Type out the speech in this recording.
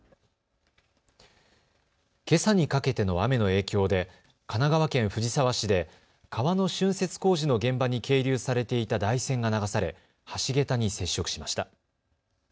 けさにかけての雨の影響で神奈川県藤沢市で川のしゅんせつ工事の現場に係留されていた台船が流され橋桁に接触しました。